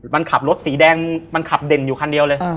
มันขับรถสีแดงมันขับเด่นอยู่คันเดียวเลย